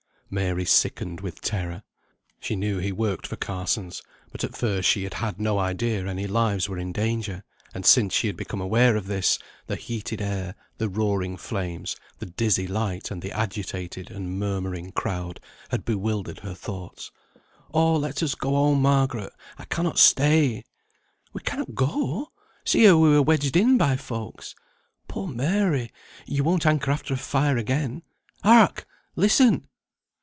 Mary sickened with terror. She knew he worked for Carsons; but at first she had had no idea any lives were in danger; and since she had become aware of this, the heated air, the roaring flames, the dizzy light, and the agitated and murmuring crowd, had bewildered her thoughts. "Oh! let us go home, Margaret; I cannot stay." "We cannot go! See how we are wedged in by folks. Poor Mary! ye won't hanker after a fire again. Hark! listen!"